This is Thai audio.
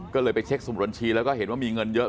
ก็เลยไปเช็คสมุดบัญชีแล้วก็เห็นว่ามีเงินเยอะ